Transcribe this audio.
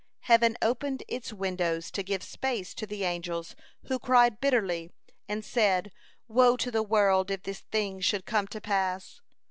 Heaven opened its windows to give space to the angels, who cried bitterly, and said: 'Woe to the world, if this thing should come to pass!'